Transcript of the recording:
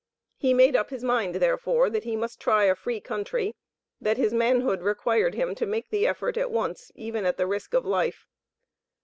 He made up his mind, therefore, that he must try a free country; that his manhood required him to make the effort at once, even at the risk of life.